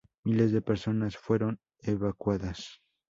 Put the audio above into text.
Miles de personas fueron evacuadas.